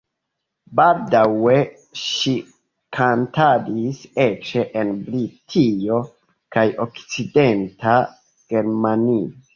Baldaŭ ŝi kantadis eĉ en Britio kaj Okcidenta Germanio.